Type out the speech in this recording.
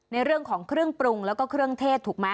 ในเรื่องของเครื่องปรุงแล้วก็เครื่องเทศถูกไหม